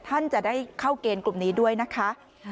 ท่านจะได้เข้าเกณฑ์กลุ่มนี้ด้วยนะคะ